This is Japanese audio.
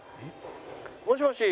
もしもし。